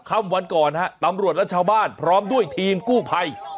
ค่ำวันก่อนฮะตำรวจและชาวบ้านพร้อมด้วยทีมกู้ภัย